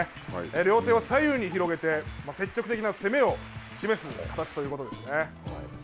両手を左右に広げて積極的な攻めを示す形ということですね。